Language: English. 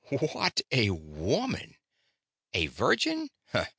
What a woman! A virgin?